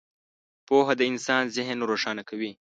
• پوهه د انسان ذهن روښانه کوي.